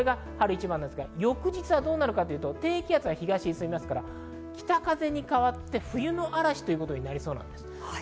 翌日はどうなるかというと、低気圧が東に進みますから北風に変わって冬の嵐ということになりそうなんです。